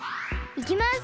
いきます！